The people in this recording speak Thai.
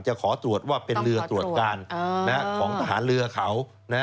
ขอตรวจว่าเป็นเรือตรวจการของทหารเรือเขา